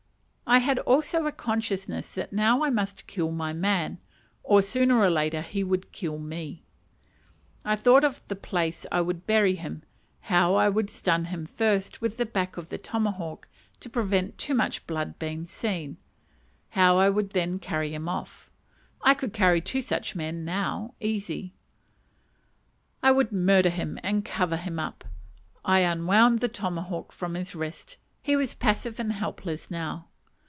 I had also a consciousness that now I must kill my man, or, sooner or later, he would kill me. I thought of the place I would bury him; how I would stun him first with the back of the tomahawk, to prevent too much blood being seen; how I would then carry him off (I could carry two such men now, easy): I would murder him and cover him up. I unwound the tomahawk from his wrist: he was passive and helpless now.